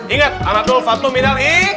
ingat anatul fathu minal i